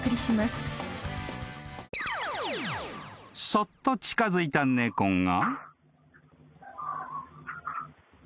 ［そっと近づいた猫が］